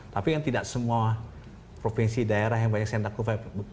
tapi yang tidak semua provinsi daerah yang banyak sentak kufa